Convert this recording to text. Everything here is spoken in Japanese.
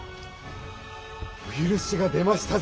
お許しが出ましたぞ！